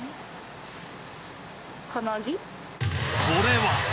これは！